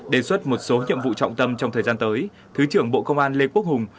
đề xuất một số nhiệm vụ trọng tâm trong thời gian tới thứ trưởng bộ công an lê quốc hùng